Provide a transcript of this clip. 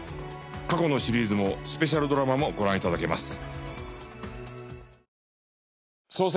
過去のシリーズもスペシャルドラマもご覧頂けます